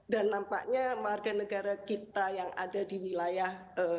nampaknya warga negara kita yang ada di wilayah